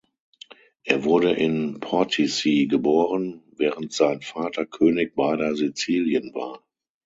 Er wurde in Portici geboren, während sein Vater König beider Sizilien war.